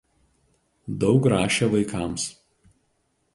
Daug rašė vaikams.